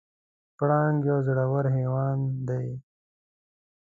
پړانګ یو زړور حیوان دی.